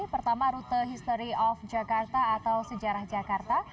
pertama rute history of jakarta atau sejarah jakarta